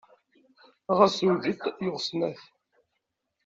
Ɣas zewǧet, yuɣ snat.